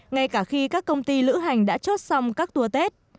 ngay cả khi các công ty lữ hành đã chốt xong các tour tết